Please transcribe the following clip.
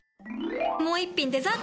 もう一品デザート！